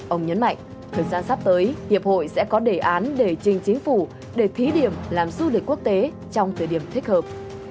ông nhấn mạnh thời gian sắp tới hiệp hội sẽ có đề án để trình chính phủ để thí điểm làm du lịch quốc tế trong thời điểm thích hợp